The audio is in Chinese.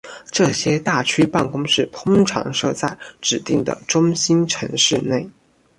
这些大区办公室通常设在指定的中心城市内。